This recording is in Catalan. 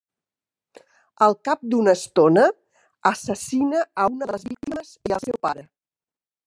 Al cap d'una estona, assassina a una de les víctimes i al seu pare.